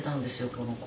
この子。